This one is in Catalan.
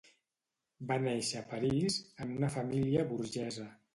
Va néixer a París, en una família burgesa.